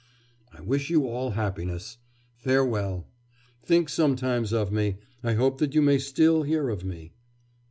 'I wish you all happiness. Farewell! Think sometimes of me. I hope that you may still hear of me.